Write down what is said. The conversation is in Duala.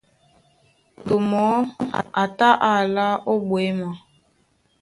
Moto mɔɔ́ a tá á alá ó ɓwěma.